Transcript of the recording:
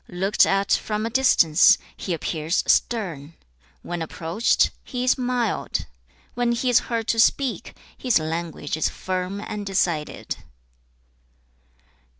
Looked at from a distance, he appears stern; when approached, he is mild; when he is heard to speak, his language is firm and decided.'